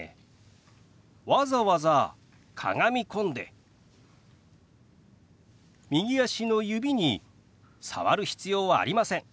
わざわざかがみ込んで右足の指に触る必要はありません。